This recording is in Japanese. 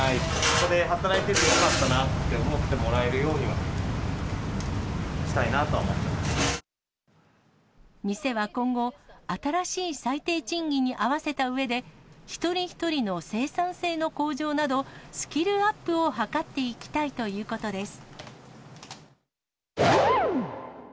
ここで働いてて、よかったなって思ってもらえるようにはしたいな店は今後、新しい最低賃金に合わせたうえで、一人一人の生産性の向上など、スキルアップを図っていきたいということです。